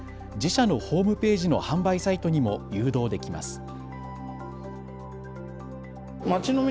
自社のホームページの販売サイトにも誘導できます。